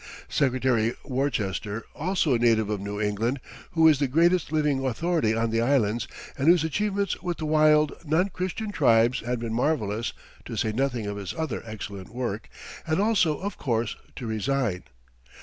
Secretary Worcester, also a native of New England, who is the greatest living authority on the Islands, and whose achievements with the wild, non Christian tribes had been marvelous to say nothing of his other excellent work had also of course to resign.